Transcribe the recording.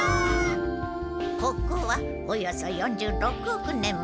ここはおよそ４６億年前。